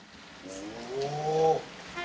お！